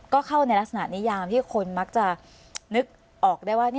ก็เข้าในลักษณะนิยามที่คนมักจะนึกออกได้ว่า